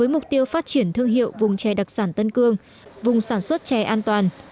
mục tiêu phát triển thương hiệu vùng trẻ đặc sản tân cương vùng sản xuất trẻ an toàn